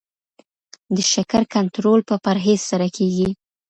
د شکر کنټرول په پرهیز سره کیږي.